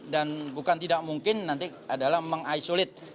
dan bukan tidak mungkin nanti adalah mengisolate